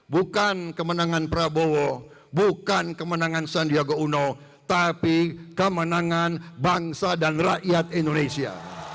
bukan kemenangan prabowo bukan kemenangan sandiaga uno tapi kemenangan bangsa dan rakyat indonesia